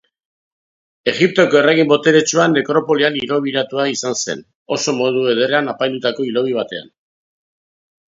Egiptoko erregin boteretsua nekropolian hilobiratua izan zen, oso modu ederrean apaindutako hilobi batean.